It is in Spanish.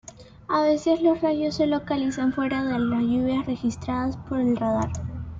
A veces los rayos se localizan fuera de las lluvias registradas por el radar.